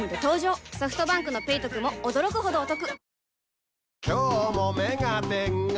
ソフトバンクの「ペイトク」も驚くほどおトク